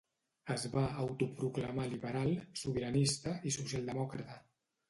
Es va autoproclamar liberal, sobiranista i socialdemòcrata.